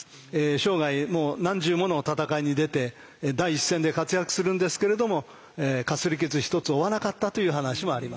生涯もう何十もの戦いに出て第一線で活躍するんですけれどもかすり傷一つ負わなかったという話もあります。